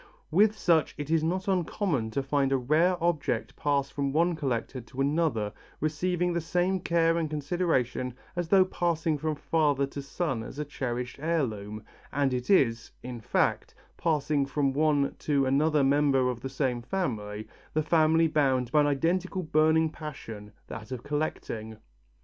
With such it is not uncommon to find a rare object pass from one collector to another, receiving the same care and consideration as though passing from father to son as a cherished heirloom and it is, in fact, passing from one to another member of the same family, the family bound by an identical burning passion, that of collecting.